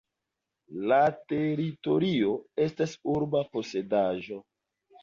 La teritorio estas urba posedaĵo.